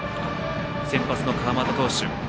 先発の川又投手。